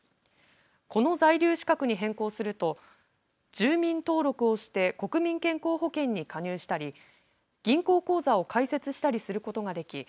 この在留資格に変更すると住民登録をして国民健康保険に加入したり銀行口座を開設したりすることができ